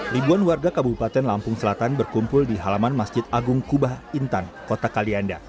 ribuan warga kabupaten lampung selatan berkumpul di halaman masjid agung kubah intan kota kalianda